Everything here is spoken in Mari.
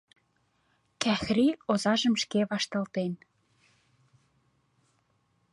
Кӓхри озажым шке вашталтен.